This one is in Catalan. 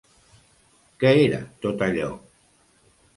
Què era tot allò?